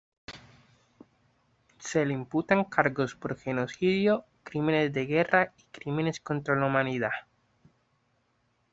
Se le imputan cargos por genocidio, crímenes de guerra y crímenes contra la Humanidad.